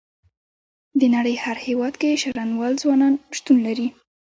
د نړۍ هر هيواد کې شرنوال ځوانان شتون لري.